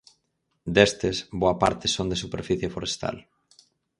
Destes, boa parte son de superficie forestal.